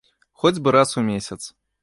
Хоць бы раз у месяц.